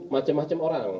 macam macam orang